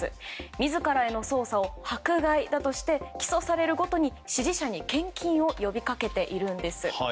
自らへの捜査を迫害だとして起訴されるごとに支持者に献金を呼び掛けているんです。